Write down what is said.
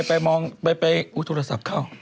ไปมองไปโทรศัพท์เข้า